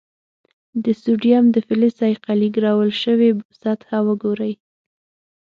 د سوډیم د فلز صیقلي ګرول شوې سطحه وګورئ.